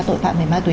tội phạm về ma túy